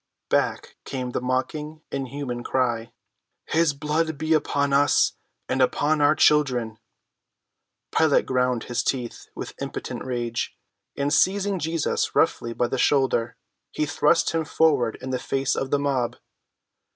Back came the mocking, inhuman cry, "His blood be upon us and upon our children!" Pilate ground his teeth in impotent rage, and, seizing Jesus roughly by the shoulder, he thrust him forward in the face of the mob.